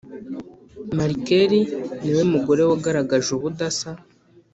Markel ni we mugore wagaragaje ubudasa